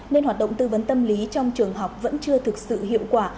nên hoạt động tư vấn tâm lý trong trường học vẫn chưa thực sự hiệu quả